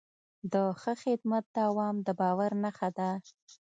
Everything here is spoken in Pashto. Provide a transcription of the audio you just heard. د ښه خدمت دوام د باور نښه ده.